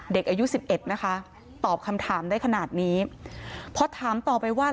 เด็กอายุ๑๑นะคะตอบคำถามได้ขนาดนี้พอถามต่อไปว่า